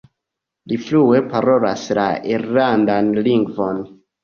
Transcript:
Li flue parolas la irlandan lingvon.